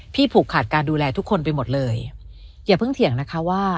ผูกขาดการดูแลทุกคนไปหมดเลยอย่าเพิ่งเถียงนะคะว่า